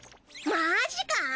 マぁジか！？